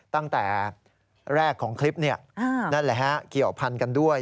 ตั้งแต่แรกของคลิปนั่นแหละฮะเกี่ยวพันกันด้วย